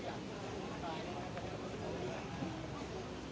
สวัสดีครับทุกคน